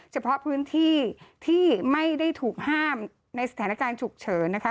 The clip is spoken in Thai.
เฉพาะพื้นที่ที่ไม่ได้ถูกห้ามในสถานการณ์ฉุกเฉินนะคะ